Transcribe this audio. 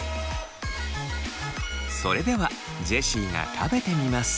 それではジェシーが食べてみます。